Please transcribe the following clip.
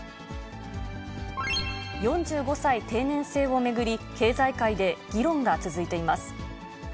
４５歳定年制を巡り、経済界で議論が続いています。